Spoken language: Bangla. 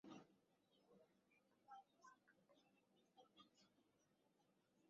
এদের মধ্যে সবেমাত্র ঈমান এনেছে এবং পূর্ণ প্রশিক্ষণ পায়নি এমন অনেক নও-মুসলিমও ছিলো।